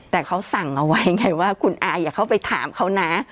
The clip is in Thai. แต่เขาสั่งเอาไว้ไงว่าคุณอาอย่าเข้าไปถามเขานะ